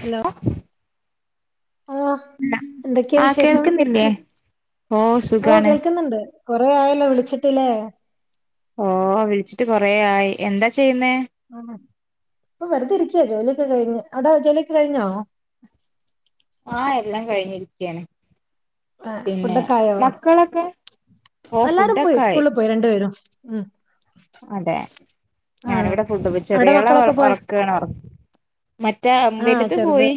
Hello ആഹ് എന്തൊക്കെയാ ആഹ് വിശേഷം കേൾക്കുന്നില്ലേ ഓ ഓഹ് സുഖാണ് കേൾക്കുന്നുണ്ട് കൊറെ ആയല്ലോ വിളിച്ചിട്ട് ല്ലേ ഓഹ് വിളിച്ചിട്ട് കൊറേ ആയി എന്താ ചെയ്യുന്നേ ആഹ് ഇപ്പൊ വെറ്തെ ഇരിക്ക. ജോലിയൊക്കെ കഴിഞ്ഞ്. അവ്ടെ ജോലിയൊക്കെ കഴിഞ്ഞൊ ആഹ് എല്ലാം കഴ്ഞ്ഞിരിക്കാണ് ആഹ് ഫുഡ്ഡക്കായൊ. മക്കളൊക്കെ ഓ എല്ലാരും പോയി ഫുഡൊക്കെ ആയി സ്കൂള് പോയി രണ്ട് പേരും ഉം അതെ ആഹ് ഞാനവ്ടെ ഫുഡ്ഡ് പൊ അവിടെ ചെറിയാളെ മക്കളൊക്കെ പോയ ഒറ്ക്കാണ് ഒറ മറ്റേ ആഹ് വല്ത് ചെറുത് പോയി.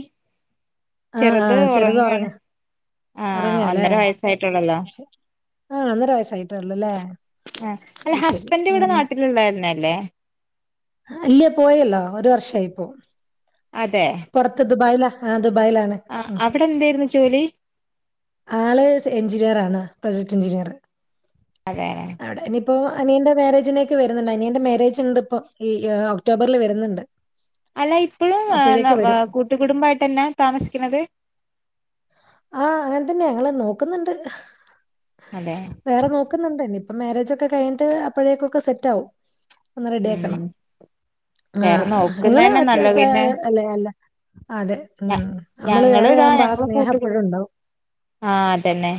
ആഹ് ചെറ്ത് ആഹ് ചെറുത് ഒറ്ങ്ങാണ് ഉറങ്ങ ആഹ് ഉറങ്ങാല്ലേ ഒന്നര വയസ്സായ്ട്ടൊള്ളല്ലൊ ആഹ് ഒന്നര വയസ്സായ്ട്ടൊള്ളുലെ ആഹ് അല്ല അയ് ശരി ഹസ്ബൻഡ് ഇവിടെ ഉം നാട്ടില്ള്ളന്നെ അല്ലെ ഇല്ല പോയല്ലൊ ഒര് വർഷായിപ്പൊ അതെ പൊറത്ത് ദുബായ്ലാ ആഹ് ദുബായിലാണ് ആഹ് ഉം അവ്ടെ എന്തെര്ന്നു ജോലി ആള് എഞ്ചിനീയറാണ് പ്രൊജക്ട് എഞ്ചിനീയറ് അതേലെ അതെ ഇനിയിപ്പൊ അനിയന്റെ മാരേജിലേക്ക് വര്ന്ന്ണ്ട്. അനിയന്റെ മാരേജ്ണ്ട്പ്പൊ ഈ ഒക്ടോബറ്ൽ വര്ന്ന്ണ്ട് അല്ല ഇപ്പഴും ഏഹ് ന്നാ, വെ കൂട്ടുകുടുംബായിട്ടന്നെ താമസിക്ക്ണത് ആഹ് അങ്ങൻതന്നെ ഞങ്ങള് നോക്ക്ന്ന്ണ്ട് അതേ വേറെ നോക്ക്ന്ന്ണ്ട്. ഞിപ്പം മാരേജൊക്കെ കഴ്ഞ്ഞ്ട്ട് അപ്പഴേകൊക്കെ സെറ്റാവും ഒന്ന് റെഡ്യാക്കണം. ഉം വേറെ ആഹ് ഇങ്ങള് നോക്കുന്നന്നെ മറ്റെ നല്ലത് പ്പേ പിന്നെ അല്ലെ അല്ല അതെ ഉം നമ്മള് ഞങ്ങള് ഇതാ വേറെയാവുമ്പൊ ആഹ് ഞങ്ങള് കൂട്ടുകുടും സ്നേഹപ്പഴുണ്ടാവും ആഹ് അതന്നെ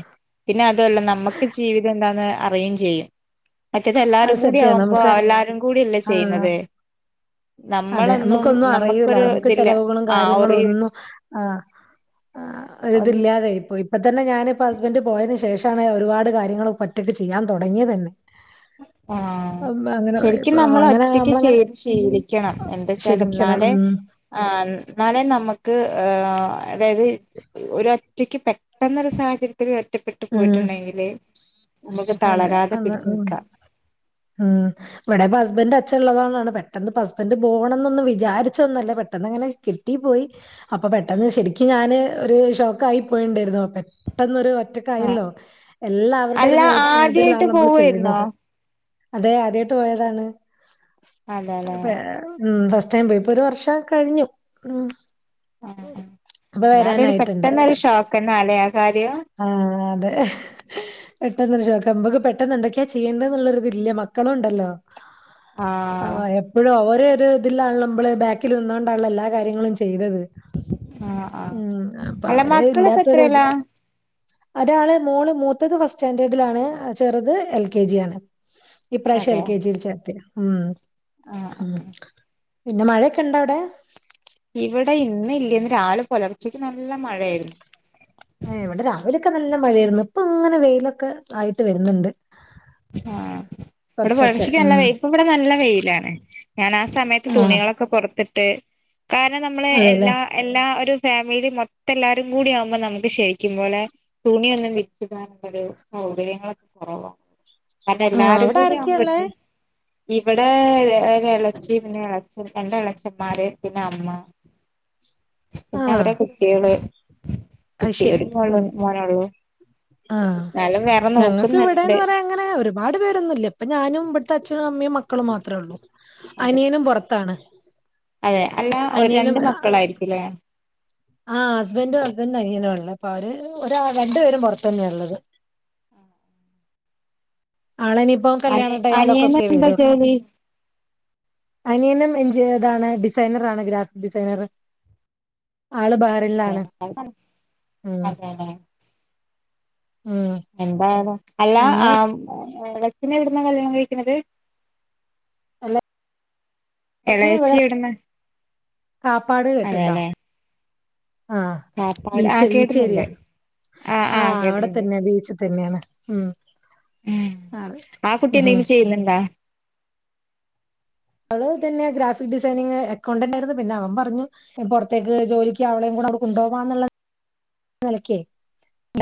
പിന്നെ അതുവല്ല നമ്മക്ക് ജീവിതം എന്താന്ന് അറിയും ചെയ്യും മറ്റേത് എല്ലാര് അത് സത്യമാണ്. കൂടിയാവുമ്പൊ നമുക്ക് എല്ലാരും കൂടി അല്ലെ ആ ചെയ്യ്ന്നത് അതെ നമ്മ്ക്കൊന്നും അറിയൂല ഞമ്മക്ക് ഇതില്ല ചെലവുകളും ആ കാര്യങ്ങളും ഒറി ഒന്നും ആഹ് ആഹ് ഒരിതില്ലാ അതെ ഇപ്പൊ ഇപ്പതന്നെ ഞാന്പ്പൊ ഹസ്ബന്റ് പോയതിന് ശേഷാണ് ഒരുപാട് കാര്യങ്ങള് ഒറ്റക്ക് ചെയ്യാൻ തൊടങ്ങിയതന്നെ ആഹ് ശരിക്കും ഇപ്പൊ നമ്മള് അങ്ങനെ ഒറ്റയ്ക്ക് നമ്മളങ്ങനെ ചെയ്ത് ശീലിക്കണം എന്തച്ചാല് ശരിക്കണം എന്നാലെ ഉം ആഹ് നാളെ നമ്മക്ക് അതായത് ഒരൊറ്റക്ക് പെട്ടന്നൊരു സാഹചര്യത്തില് ഒറ്റപ്പെട്ടു ഉം പോയിട്ടുണ്ടെങ്കില് നമ്മക്ക് അതെ തളരാതെ അന്ന് പിടിച്ച് ഉം നിക്കാം ഉം ഇവടെപ്പ ഹസ്ബന്റ അച്ഛൻ ഇള്ളതൊണ്ടാണ് പെട്ടന്ന് ഇ ഹസ്ബന്റ് പോണന്നൊന്നും വിചാരിച്ചൊന്നല്ല പെട്ടെന്ന് അങ്ങനെ കിട്ടി പോയി അപ്പൊ പെട്ടെന്ന് ശരിക്കും ഞാന് ഒര് ഷോക്കായി പോയ്ണ്ടായിര്ന്നു പെട്ടന്നൊരു ഒറ്റ ആഹ് കയ്യിലൊ എല്ലാവര്ടെ അല്ല ഒര് ഇത് ആദ്യായിട്ട് ലാണ് നമ്മള് പോവായിരുന്നോ ചെയ്യ്ന്നത് അതെ ആദ്യവായിട്ട് പോയതാണ് അതെല്ലേ ഉം ഫസ്റ്റ്ടൈം പോയി. ഇപ്പൊ ഒര് വർഷം കഴിഞ്ഞു ഉം ആഹ് ഇപ്പൊ ന്നാലൊര് വരാനായിട്ടുണ്ട് പെട്ടന്നൊരു ഷോക്കെന്നാലെ ആ കാര്യം ആഹ് അതെ പെട്ടന്നൊരു ശോക്കാവും നമുക്ക് പെട്ടെന്ന് എന്തൊക്കെയാ ചെയ്യണ്ടെ ന്നുള്ളൊരു ഇതില്ല മക്കളുണ്ടല്ലൊ ആഹ് അവയം ഇപ്പഴും അവര് ഒരുതില്ലാണ് നമ്മള് ബാക്കില് നിന്നോണ്ടാണല്ലോ എല്ലാ കാര്യങ്ങളും ചെ ചെയ്തത് ആഹ് ആഹ് ഉം അല്ല അപ്പവര് മക്കളിപ്പ ഇല്ലാത്തൊര് എത്രേലാ ഒരാള് മോള് മൂത്തത് ഫസ്റ്റ് സ്റ്റാൻഡേർഡിലാണ് ചെറ്ത് എൽ കേ ജി യാണ് ഇപ്രാവശ്യം എൽ അതെ കേ ജീല് ചേർത്ത് ഉം ആഹ് ആഹ് പിന്ന മഴെക്കൊണ്ടാവിടെ ഇവിടെ ഇന്നില്ല ഇന്ന് രാവിലെ പുലർച്ചക്ക് നല്ല മഴയായിര്ന്നു ഏഹ് ഇവടെ രാവിലെയൊക്കെ നല്ല മഴയെര്ന്നു ഇപ്പൊ അങ്ങനെ വെയിലൊക്കെ ആയിട്ട് വര്ന്നുണ്ട് ആഹ് ഇവടെ പുലർച്ചക്ക് നല്ല ഉം വെയ് ഇപ്പ ഇവടെ നല്ല വെയിലാണ് ഞാൻ ആഹ് സമയത്ത് ആഹ് തുണികളൊക്കെ പൊറത്ത് ട്ട്. കാരണം നമ്മളെ അതെല്ലേ എല്ലാ എല്ലാ ഒരു ഫാമിലി മൊത്തം എല്ലാരും കൂടി ആവുമ്പോ നമുക്ക് ശരിക്കും പോലെ തുണിയൊന്നും വിരിച്ചിടാനുള്ളൊരു സൗകര്യങ്ങളൊക്കെ കുറവാ ങ്ങനെ ആഹ് എല്ലാരും അവിടെ കൂടി ആവൻ ആരൊക്കെയുള്ളേ പറ്റു ഇവിടെ ഒര് ഇളച്ചി പിന്നെ ഇളച്ചൻ ഇളച്ചന്മാര് പിന്നെ അമ്മ പിന്നെ ആഹ് അവരെ കുട്ടികള് അത് കുട്ടി ഒരു ശെരി മോള് ഉം മോനൊള്ളൂ ആ എന്നാലും വേറെ ഞങ്ങക്ക് ഇവിടെന്ന് നോക്കുന്നുണ്ട് പറയാൻ അങ്ങനെ ഒരുപാട് പേരൊന്നും ഇല്ല ഇപ്പം ഞാനും ഇവിടുത്തെ അച്ഛനും അമ്മയും മക്കളും മാത്രേ ഉള്ളൂ അതെ അനിയനും പൊറത്താണ് അനിയനും മായിരിക്കുമല്ലേ ആഹ് ഹസ്ബന്റും ഹസ്ബൻ്റിൻ്റെ അനിയനും ഒള്ളെ അപ്പ അവര് ഒരാ രണ്ടു പേരും പുറത്ത് തന്നെയാ ഉള്ളത് ആളെനി അനി അനിയന് എന്താ ജോലി അനിയനും എഞ്ചിനിയർറാണ് ഡിസൈനർ ആണ് ഗ്രാഫ് ഡിസൈനറ് ആള് ബെഹറിനിലാണ് ഉം അതെല്ലേ ഉം എന്താണ് അല്ല പിന്നെ ആം വെസ്റ്റിന്എവിടുന്നാ കല്യാണം കഴിക്കുന്നത് അല്ല അച്ഛന് എളയച്ചി ഇവിടെ എവിടുന്നാ കാപ്പാട് കേട്ടുണ്ടോ അതെല്ലെ ആഹ് കാപ്പാട് ആ ബീച്ച് ബീച്ച് കേട്ടിട്ടുണ്ട് ഏരിയ ആ ആ ആഹ് അവിടെ കേട്ടിട്ടുണ്ട് തന്നെയ ബീച്ച് തന്നെയാണ് ഉം ഉം അതെ ആ കുട്ടി ഉം എന്തെങ്കിലും ചെയ്യുന്നുണ്ടാ അവള് പിന്നെ ഗ്രാഫിക് ഡിസൈനിങ് അക്കൗണ്ടന്റ് ആയിരുന്നു പിന്നെ അവൻ പറഞ്ഞു പുറത്തേക്ക് ജോലിക്ക് അവളെയും കൂടെ അങ്ങ് കൊണ്ടുപോകന്നുള്ള നിലക്കേ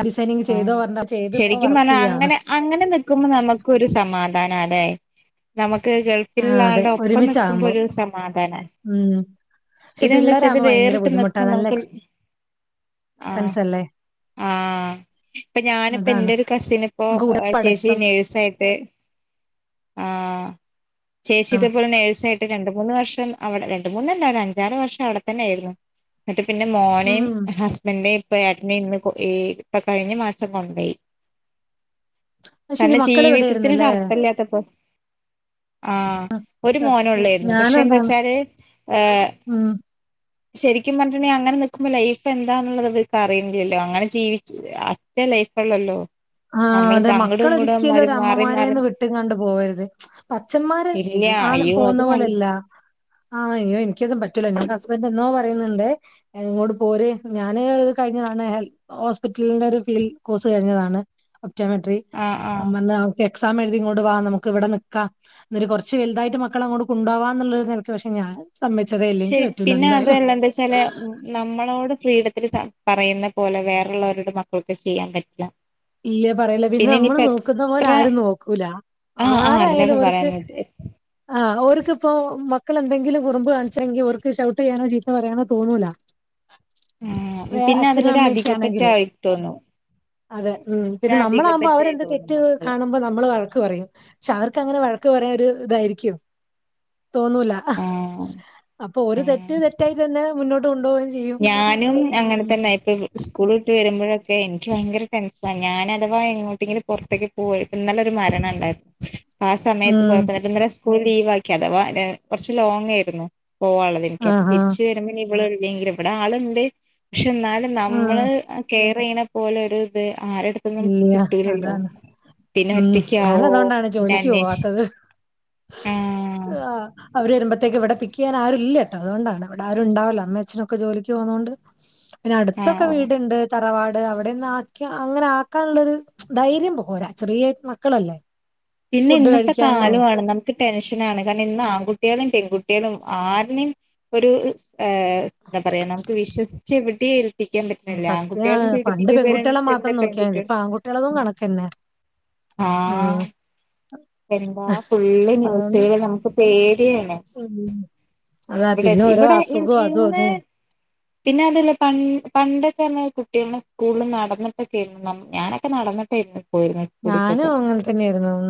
ഡിസൈനിങ് ആ ചെയ്ത പറഞ്ഞ ചെയ്ത് ഇപ്പം ശരിക്കും വർക്ക് പറഞ്ഞാ ചെയ്യാണ് അങ്ങനെ അങ്ങനെ നിക്കുമ്പം നമുക്കും ഒരു സമാധാനാല്ലെ നമുക്ക് ഗൾഫിലുള്ള ആഹ് അതെ ആളുടെ ഒപ്പം നിക്കുമ്പോ ഒരുമിച്ചാകുമ്പോ ഒരു സമാധാനാ ഉം പക്ഷെ ഇതെന്താ വെച്ചാല് പിള്ളേരാകുമ്പോ ഇത് ഭയങ്കര വേറിട്ട് നിക്കുമ്പ നമുക്കൊ മനസല്ലേ ഇപ്പ ഞാനിപ്പോ എന്റെ ഒരു കസിന് ഇപ്പോ ചേച്ചി പഠിത്തം നേഴ്സ് ആയിട്ട് ആഹ് ചേച്ചിതേപോലെ നേഴ്സായി രണ്ട് മൂന്ന് വർഷം അവിടെ രണ്ട് മൂന്നല്ല ഒരഞ്ചാറ് വർഷം അവിടെ തന്നേയിരുന്നു എന്നട്ട് പിന്നെ മോനെയും ഉം ഹസ്ബന്റിനെയും ഇപ്പം ഏട്ടനെയും ഇന്ന് കൊ ഈ ഇപ്പ കഴിഞ്ഞ മാ സം കൊണ്ടോയി അത് ശരി കാരണം മക്കൾ ഇവിടെയായിരുന്നല്ലേ ജീവിതത്തിനൊരർഥം ഇല്ലാത്തപ്പോ ആഹ് ഒരു മോനേ സത്യം ഒള്ളായിരുന്നു പക്ഷെ ഞാനും എന്താ അതാണ് വെച്ചാല് ഏഹ് ഉം [inaudible] ശരിക്കും പറഞ്ഞിട്ടുണ്ടെങ്കി അങ്ങനെ നിക്കുമ്പോ ലൈഫ് എന്താന്നുള്ളത് ഇവരിക്ക് അറിയണില്ലല്ലോ അങ്ങനെ ജീവിച്ച് ആ ഒറ്റ ലൈഫ് ഒള്ളല്ലോ ആഹ് അതെ മക്കള് ഒരിയ്ക്കലും ഒര് മാറി അമ്മമാരേന്ന് വിട്ടും കണ്ട് പോകരുത് പ്പച്ഛൻന്മാര് ഇല്ല ആണ് അയ്യോ അത് പോന്ന വ പോലെല്ല ആഹ് അയ്യോ എനിക്കതും പറ്റുല ഇവിടെ ഹസ്ബൻറ്റ് എന്നോ പറയുന്നിണ്ടേ അഹ് ഇങ്ങോട് പോര് ഞാന് കഴിഞ്ഞ തവണ ഹെൽ ഹോസ്പിറ്റലിന്റെ ഒരു ഫീൽ കോഴ്സ് കഴിഞ്ഞതാണ് ഒക്‌റ്റോമെട്രി ആഹ് [unintelligible] ആഹ് അഹ് എക്സാം എഴുതി ഇങ്ങോട്ട് വാ നമുക്ക് ഇവിടെ നിക്കാ എന്നൊരു കൊറച്ച് വലുതായിട്ട് മക്കള അങ്ങോട്ട് കുണ്ടോവാന്നുള്ളൊരു സ്ഥലത്ത് പക്ഷെ ഞാൻ സമ്മതിച്ചതേ ഇല്ല എനിക്ക് ശെരി പറ്റൂല പിന്നെ എന്തായാലും അതല്ല എന്താച്ചാല് നമ്മളോട് ഫ്രീഡത്തില് ത പറയുന്ന പോലെ വേറെള്ളവരോട് മക്കൾക്ക് ചെയ്യാൻ പറ്റില്ല ഇല്ലേ പറയില്ല പിന്നെ നമ്മള് ഇനിയിപ്പ നോക്കുന്ന പോലെ എത്ര ആരും നോക്കൂലാ ആഹ് ആഹ് ആരായാലും അതിനൊക്കെ അവർക്ക് പറയാന്നത് ആഹ് ഓർക്കിപ്പോ മക്കള് എന്തെങ്കിലും കുറുമ്പ് കാണിച്ചെങ്കി ഓർക്ക് ഷൗട്ട് ചെയ്യാനോ ചീത്ത പറയാനോ തോന്നൂലാ ആഹ് പിന്നെ അതിലൊരു അമ്മയൊക്കെ ആണെങ്കിൽ അധികപറ്റായിട്ട് തോന്നും അതെ ഉം ഒരധിക പറ്റായി തോന്നും മക്കള് ക്കുമ്പ നമ്മള് വഴക്ക് പറയും. പക്ഷെ അവർക്ക് അങ്ങനെ വഴക്ക് പറയാൻ ഒരു ഇതായിരിക്കും തോന്നൂലാ. ആഹ് അപ്പൊ ഓര് തെറ്റ് ആഹ് തെറ്റായിട്ട് തന്നെ മുന്നോട്ട് കൊണ്ടോവേം ഞാനും അങ്ങനെ തന്നെ ഇപ്പി സ്കൂൾ വിട്ട് വരുമ്പോഴൊക്കെ എനിക്ക് ഭയങ്കര ടെൻഷനാ ഞാൻ അഥവാ എങ്ങോട്ടെങ്കിലും പുറത്തേ പോയിട്ടിന്നലെ ഒരു മരണെണ്ടാരുന്നു ആ സമയത്ത് ഉം പോയപ്പോ ഇന്നലെ സ്കൂൾ ലീവ് ആക്കി. അഥവാ അഹ് കുറച്ച് ലോങ് ആയിരുന്നു പോവാള്ളെതേ എനിക്കപ്പ ആഹ് ആഹ് തിരിച്ച് വരുമ്പോ ഇവളില്ലെങ്കിലോ ഇവിടെ ആളുണ്ട് പക്ഷെ എന്നാലും ആഹ് നമ്മള് കെ യറ് ചെയ്യണ പോലൊരിത് ആരെടു ത്തുന്നും ഇല്ല കിട്ടൂലല്ലൊ അതാണ് പിന്നെ ഉം ഞാൻ ഒറ്റക്കാവോ അതുകൊണ്ടാണ് [unintelligible] ജോലിക്ക് പോവാത്തത് ആഹ് ആഹ് അവര് വരുമ്പത്തേക്ക്ഇവിടെ പിക്ചെയ്യൻ ആ രുല്ല്യട്ടോ അതൊണ്ടാണ്ഇവിടെ ആരു ണ്ടാവില്ല അമ്മ അച്ഛനൊക്ക ജോലിക്ക് പോകുന്നോണ്ട് പിന്നെ അടുത്തൊക്കെ ആഹ് വീടിണ്ട്. തറവാട് അവിടെന്ന് ആക്കി അങ്ങനാ ക്കാള്ളൊരു ധൈര്യം പോര ചെറിയ മക്കളല്ലേ പിന്നെ ഫുഡ് ഇന്നത്തെ കഴിക്കാനോ കാലോ ആണ് നമ്മ ക്ക് ടെൻഷനാണ് കാരണം ഇന്നാ ആൺകുട്ടികളും പെൺകുട്ടികളും ആര്നേം ഒരു ഏഹ് എന്താ പറയാ നമുക്ക് വിശ്വസിച്ച് എവിടേം ഇരു പ്പിക്കാൻ പറ്റുന്നില്ല. സത്യാണ് ആൺകുട്ടികളും പണ്ട് പെൺകുട്ടികളെ പീടിപ്പിക്കപ്പെടണെണ്ട് മാത്രം നോക്കിയാ മതി പെൺകുട്ടികളും ഇപ്പൊ ആൺകുട്ടികളതും [unintelligible] അഹ് കണക്കന്നെ ഉം ആഹ് എന്താ ഫുള്ള് അതുകൊണ്ട് ന്യൂസുകള് നമുക്ക് പേടി ആണ് ഉം അതാ ഇവിടെ പിന്നെ ഓരോ ഇവിടെ ഇ അസുഖവും അതും ഇന്ന് അതും പിന്നെ അതല്ല പൻ പണ്ടൊക്കെന്ന് പറഞ്ഞ കുട്ടികള് സ്കൂളിൽ നടന്നിട്ടെക്കേരുന്നു നം ഞാനൊക്കെ നടന്നിട്ടേരുന്നു ഞാനും അങ്ങനെ തന്നേയിരുന്നു ഉം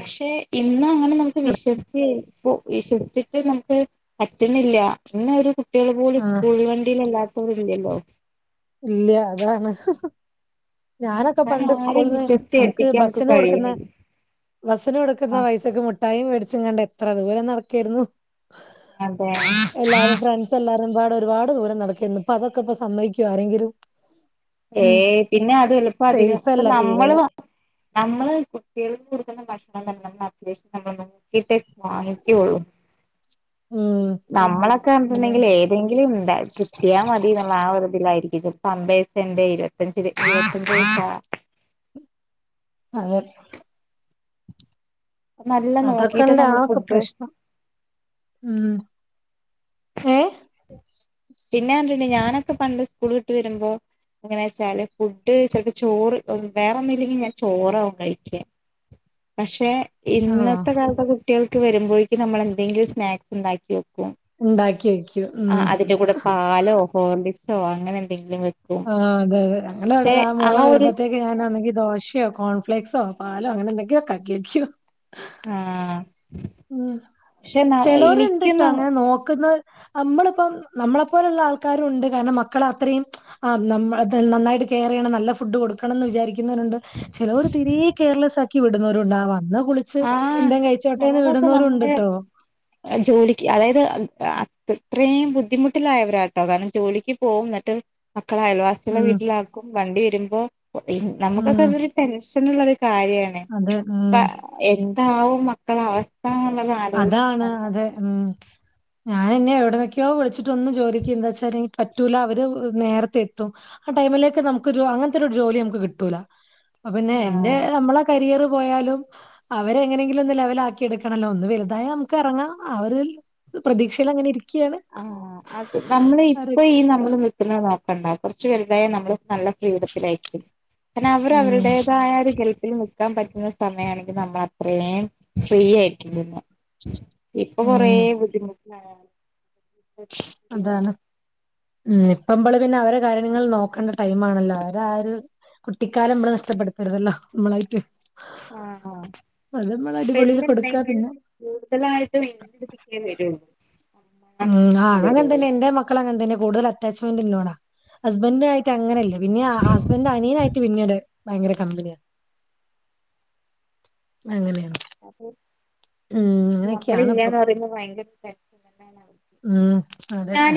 പക്ഷെ ഇന്ന് അങ്ങനെ നമ്ക്ക് വിശ്വസ്ച്ച് ഇപ്പോ വിശ്വസിച്ചിട്ട് നമുക്ക് പറ്റുന്നില്ല ഇന്ന് ഒരു കുട്ടികൾ പോലും ആഹ് സ്കൂള് ക [unintelligible] ഇല്യല്ലോ ഇല്യാ അതാണ്. ഞാനൊക്കെ കാരണം പണ്ട് ആരെയും സ്കൂള്ന്ന് വിശ്വസിച്ച് നമുക്ക് ഏൽപ്പിക്കാൻ ബസ്സിന് കൊടുക്ക്ന്ന കഴിയുന്നില്ല ബസ്സിന്കൊടുക്കുന്ന ആ പൈസക്ക് മുട്ടായിം വേടിച്ചും കൊണ്ട് എത്ര ദൂരം നടക്കേർന്നു അതെ ഹ് എല്ലാരും ഫ്രണ്ട്സ് എല്ലാരുംപാട് ഒരുപാട് ദൂരം നടക്കേരുന്നു. ഇപ്പ അതൊക്കെ ഇപ്പോ സമ്മയ് ക്യോ ആരെങ്കിലും. ഉം ഹേയ് പിന്നെ അതൊല്ല സേഫ് അധിനെത്ത അല്ല തീരെ നമ്മള് മ്മാ [unintelligible] [unintelligible] ഉം എപ്ളേങ്കിലും കിട്ടിയാൽ മതി എന്നുള്ള ആ ഒരു ഇതിലായിരികും [unintelligible] [unintelligible] [unintelligible] ഇരുപ്പത്ത ജ് പൈസാ അതേ നല്ല നോക്കിട്ട് അതൊക്കൊണ് നമ്മൾ ഇപ്പോ ഫുഡ് പ്രശ്നം. ഉം ഏഹ് പിന്നെ ണ്ടന് ഞാനൊക്കെ പണ്ട് സ്കൂൾ ഇട്ട് വരുമ്പോ എങ്ങെനാ വെച്ചാല് ഫുഡ് ചെലപ്പോ ചോറ് വേറെ ഒന്നും ഇല്ലെങ്കിൽ ഞാൻ ചോരവും കഴിക്യാ പഷേ ആഹ് ഇന്നത്തെ കാലത്തെ കുട്ടികൾക്ക് വരുമ്പോഴേക്കും നമ്മൾ എന്തെങ്കിലും സ്നാക്സ് ഉണ്ടാക്കി വെക്കും ഉണ്ടാക്കി വെക്ക്യും. ആ ഉം അതിന്റെ കൂടെ പാലോ ഹോർലിക്സോ അങ്ങനെ എന്തെങ്കിലും വെ ആഹ് അതെ ഞങ്ങള് ഇതാഇവിടെ ആ മോള് ഒരു വരുമ്പോഴത്തേയ് ക്ക് ഞാൻ ഒന്നെങ്കിൽ ദോശയോ, കോൺഫ്ലേക്സോ, പാലോ അങ്ങനെ എന്തെങ്കിലൊക്കെ ആക്കി വെക്യും ആഹ് ഉം ചേലോർ ണ്ട് ട്ടാ എനിക്കൊന്നും അങ്ങെനെ നോക്കുന്നോര് അമ്മള്പ്പം നമ്മളെപ്പോലെള്ള ആൾക്കാരും ഉണ്ട്. കാരണം മക്കള അത്രെയും ആഹ് നമ്മ നന്നായിട്ട് കെയർ യ്യെണ നല്ല ഫുഡ് കൊടുക്കും ക്കണംന്ന് വിചാരിക്കുന്നവരുണ്ട് ചിലോർ തീരേ കെയർലെസാക്കി വിടുന്നവരുണ്ട് അ വന്ന ച്ച് ആ എന്തേം കഴിച്ചോട്ടേന്ന് വിടുന്നോരും ണ്ട് ട്ടോ. [inaudible] അഹ് ജോലിക്ക് അതായത് അഹ് അഹ് അത് അത്രേയും ബുദ്ധിമുട്ടിലായവരാട്ടോ കാരണം ജോലിക്ക് പോകുന്നട്ട് മക്കളെയൽവാ ചിലെ ഉം വീട്ടിലാക്കും വണ്ടി വരുമ്പോ ഒ ഇ നമുക്കൊക്കെ ഉം അതൊരു ടെൻഷന്ള്ളൊരു കാര്യാ അതെ ഉം [unintelligible] എന്താവും മക്കളെവ സ്ഥാന്നുള്ള ആലോചി ഉം ഞാനെന്നേ എവിടുന്നൊക്കെയോ വിളിച്ചിട്ടൊന്നും ചോതിക്കും എന്താച്ചാല് പറ്റൂല അവര് നേരത്തെ എത്തും ആഹ് ടൈമിലേക്ക് നമുക്കൊരു അങ്ങനത്തൊരു ജോലി നമുക്ക് കിട്ടൂലാ അഹപിന്നെ എന്റെ ആഹ് നമ്മളെ കരിയറ് പോയാലും ഹ് അവരെ എങ്ങനെങ്കിലൊന്ന്ലെവലാക്കി എടുക്കണല്ലോ അത് വെലുതായ നമുക്ക് എറങ്ങാ ആ ഒര് പ്രതീക്ഷയിലങ്ങനെരിക്ക ആഹ് അത് നമ്മള് അവര് ഇപ്പ ഈ നമ്മള് നിക്കുന്നത് നോക്കണ്ട കൊറച്ച് വെലുതായ നമ്മള് നല്ല ഫ്രീഡത്തിലായിക്കും പിന്നാവര് ഉം അവരുടേതായ ഒരു ഗൽപ്പില് നി ക്കാൻ പറ്റുന്ന സമയാണെങ്കി നമ്മളത്രേം ഫ്രീ ആയിരിക്ക്യും പിന്നേ ഇപ്പൊ കൊറേ ഉം ബുദ്ധിമുട്ടിലാണ് ഞാൻ [inaudible] അതാണ് ഉം ഇപ്പമ്പള് പിന്ന അവരെ കാര്യങ്ങൾ നോക്കണ്ട ടൈമാണല്ലോ അവരാ അ ഒരു കുട്ടിക്കാലം മ്മള് നഷ്ടപ്പെടുത്തരുതല്ലോ മ്മളായിട്ട് ആഹ് ഹ്ആ അത് മ്മള് അടിപൊളീല് കൊടുക്കാ പിന്നെ കൂടുതലായിട്ട് ഇന്റെട്ത്തിക്കേ വെരുഉള്ളൂ ഉം ആഹ് അതങ്ങൻതന്നെ എന്റെ മക്കളങ്ങൻതന്നെ കൂടുതൽ അറ്റാച്ച്മെന്റിന്നോടാ ഹസ്ബന്റായിട്ടങ്ങനെയില്ല. പിന്നെ, ആഹ് ഹസ്ബന്റ് അനിയനായിട്ട് പിന്നീംഒര് ഭയങ്കര കമ്പനിയാ അങ്ങെനെയാണ് അത് ഇപ്പൊ മക്കളില്ലാന്ന് പറയുമ്പോ ഭയങ്കരം ടെൻഷനാണ് ഉം അതെ അ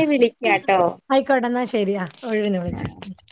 ആയിക്കോട്ടെന്നാ ശെരിയാ ഒഴിവിന് വിളിച്ചോ